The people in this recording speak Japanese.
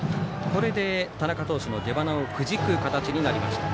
これで、田中投手の出ばなをくじく展開になりました。